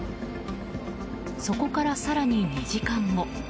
そこから更に２時間後。